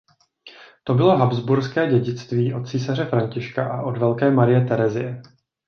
To bylo habsburské dědictví od císaře Františka a od velké Marie Terezie.